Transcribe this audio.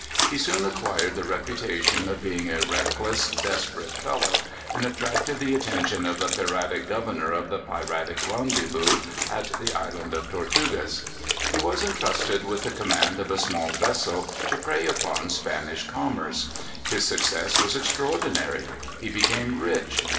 He soon acquired the reputation of being a reckless desperate fellow, and attracted the attention of the piratic governor of the piratic rendezvous, at the Island of Tortugas. He was intrusted with the command of a small vessel, to prey upon Spanish commerce. His success was extraordinary. He became rich.